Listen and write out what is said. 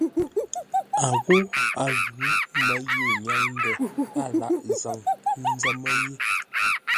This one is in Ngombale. A ghô a ghʉ́ mə́ ye nyáŋ ndə̂ a lâghʼ zâŋ ńzə́mə́ yé.